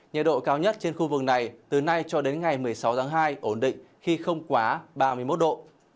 nhiệt độ cao nhất trên khu vực này từ nay cho đến ngày một mươi sáu tháng hai ổn định khi không quá ba mươi một độ